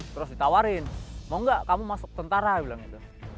terus ditawarin mau gak kamu masuk tentara bilang gitu